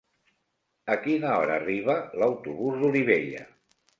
A quina hora arriba l'autobús d'Olivella?